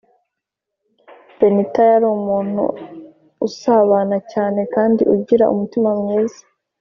Benitha Yarumuntu usabana cyane kandi ugira umutima mwiza